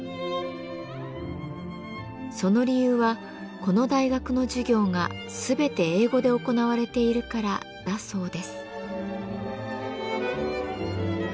その理由はこの大学の授業が全て英語で行われているからだそうです。